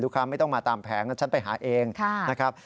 ค้าไม่ต้องมาตามแผงฉันไปหาเองนะครับ